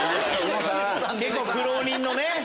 結構苦労人のね！